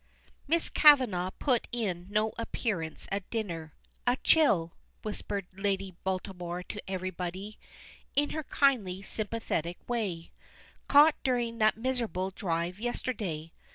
Miss Kavanagh put in no appearance at dinner. "A chill," whispered Lady Baltimore to everybody, in her kindly, sympathetic way, caught during that miserable drive yesterday.